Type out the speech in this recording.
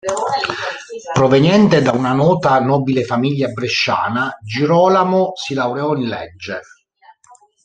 Proveniente da una nota nobile famiglia bresciana, Girolamo si laureò in legge.